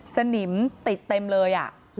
สนิมติดเต็มเลย